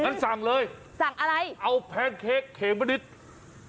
งั้นสั่งเลยเอาแพนเค้กเข็มมะนิดสั่งอะไร